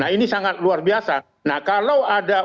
ini sangat luar biasa nah kalau ada